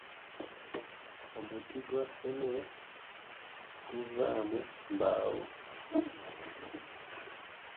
Omuti gwa ffene teguvamu mbaawo.